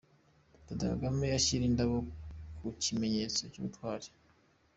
Perezida Kagame ashyira indabo ku kimenyetso cy’ubutwari